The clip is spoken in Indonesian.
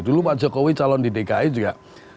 dulu pak jokowi calon di dki juga